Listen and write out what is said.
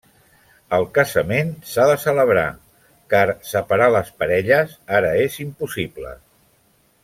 El casament s'ha de celebrar, car separar les parelles ara és impossible.